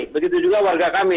begitu juga warga kami